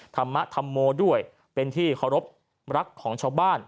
ธรรมธรรโมด้วยเป็นที่เคารพรักของชาวบ้าน